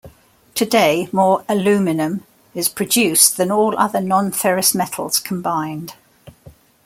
Today, more aluminum is produced than all other non-ferrous metals combined.